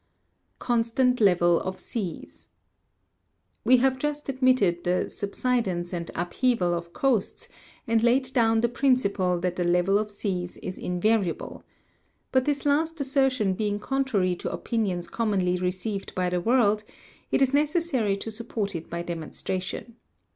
7. Constant level of seas. We have just admitted the subsid ence and upheaval of coasts, and laid down the principle that the level of seas is invariable : but this last assertion being contrary to opinions commonly received by the world, it is necessary to sup port it by demonstration.